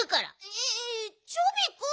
えチョビくん。